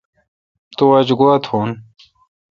تو آج گوا تھون۔